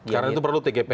karena itu perlu tgp ya